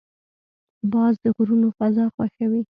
باز د غرونو فضا خوښوي